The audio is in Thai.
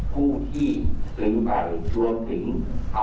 ผู้ที่สึ่งไปรวมถึงเอาไปแสดงนะครับ